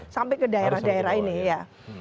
sampai ke daerah daerah ini ya